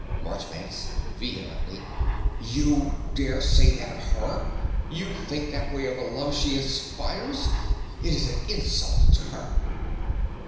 MARCHBANKS (vehemently). YOU dare say that of her! You think that way of the love she inspires! It is an insult to her!